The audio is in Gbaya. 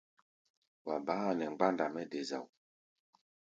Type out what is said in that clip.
Wa baá a nɛ mgbánda mɛ́ de zao.